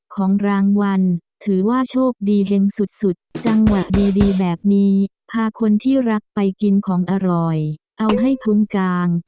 ของรางวัลถือว่าโชคดีแห่งสุดจังหวะดีแบบนี้พาคนที่รักไปกินของอร่อยเอาให้พุ้นกลาง